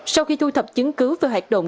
sau khi thu thập chứng cứ về hoạt động